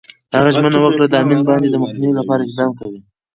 هغه ژمنه وکړه، د امین بانډ د مخنیوي لپاره اقدام کوي.